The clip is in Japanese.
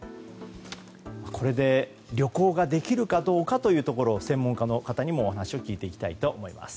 これで、旅行ができるかどうかというところを専門家の方にもお話を聞いていきたいと思います。